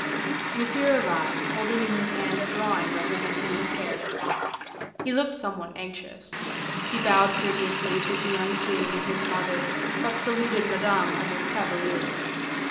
Monsieur arrived, holding in his hand a drawing representing his character; he looked somewhat anxious; he bowed courteously to the young queen and his mother, but saluted Madame almost cavalierly.